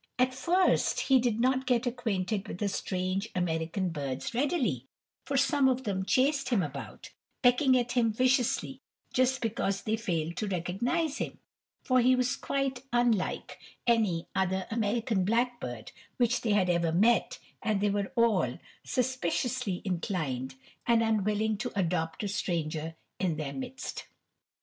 At first he did not get acquainted with the strange American birds readily, for some of them chased him about, pecking at him viciously just because they failed to recognize him, for he was quite unlike any other American blackbird which they had ever met, and they were all suspiciously inclined, and unwilling to adopt a stranger into their midst.